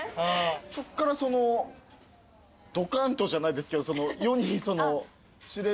そっからそのドカーンとじゃないですけど。